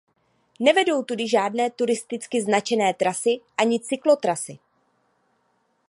Nevedou tudy žádné turisticky značené trasy ani cyklotrasy.